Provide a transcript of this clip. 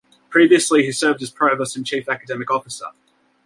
Previously, he served as provost and chief academic officer.